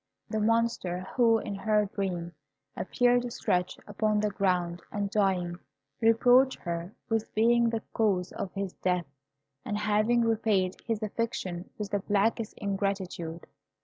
The Monster, who, in her dream, appeared stretched upon the ground and dying, reproached her with being the cause of his death, and having repaid his affection with the blackest ingratitude.